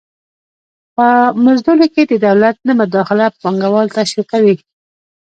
په مزدونو کې د دولت نه مداخله پانګوال تشویقوي.